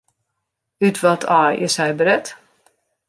Ut wat aai is hy bret?